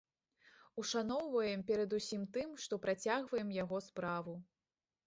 Ушаноўваем перадусім тым, што працягваем яго справу.